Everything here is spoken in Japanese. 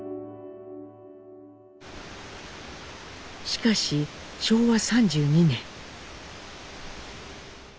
しかし昭和３２年。